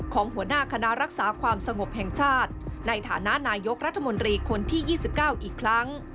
หัวหน้าคณะรักษาความสงบแห่งชาติในฐานะนายกรัฐมนตรีคนที่๒๙อีกครั้ง